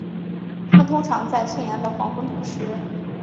它们通常在清凉的黄昏捕食。